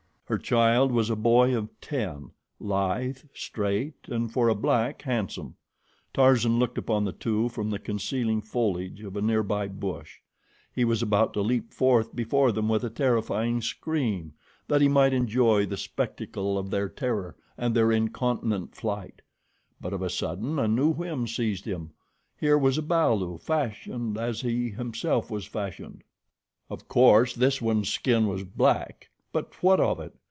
Her child was a boy of ten, lithe, straight and, for a black, handsome. Tarzan looked upon the two from the concealing foliage of a near by bush. He was about to leap forth before them with a terrifying scream, that he might enjoy the spectacle of their terror and their incontinent flight; but of a sudden a new whim seized him. Here was a balu fashioned as he himself was fashioned. Of course this one's skin was black; but what of it?